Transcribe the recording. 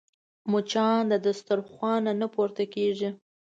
مچان د دسترخوان نه پورته کېږي